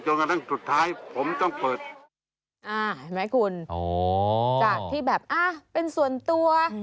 จากที่แบบอ่าเป็นสวนตัว